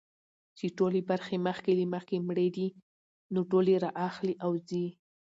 چي ټولي برخي مخکي له مخکي مړې دي نو ټولي را اخلي او ځي.